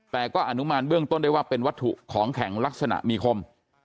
แต่ก็อนุมานเบื้องต้นได้ว่าเป็นวัตถุของแข็งลักษณะมีคม